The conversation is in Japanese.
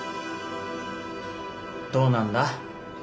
どうなんだ。